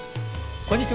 こんにちは。